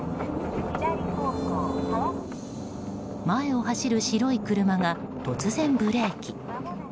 前を走る白い車が突然ブレーキ。